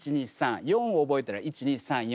４覚えたら１２３４。